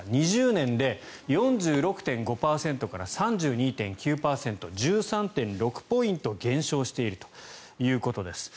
２０年で４６．５％から３２．９％に１３．６ポイント減少しているということです。